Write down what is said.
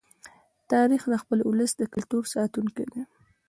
تاریخ د خپل ولس د کلتور ساتونکی دی.